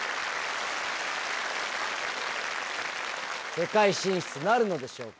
世界進出なるのでしょうか？